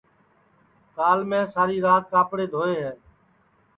کال میں ساری رات کاپڑے دھوئے ہے